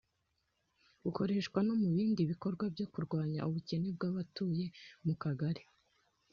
bukoreshwa no mu bindi bikorwa byo kurwanya ubukene bw'abatuye mu kagari.